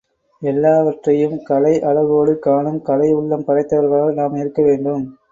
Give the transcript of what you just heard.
எல்லாவற்றையும் கலை அழகோடு காணும் கலை உள்ளம் படைத்தவர்களாக நாம் இருக்க வேண்டும்.